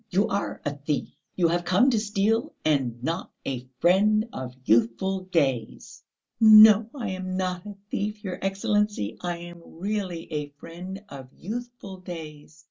"You are a thief, you have come to steal ... and not a friend of youthful days." "No, I am not a thief, your Excellency; I am really a friend of youthful days....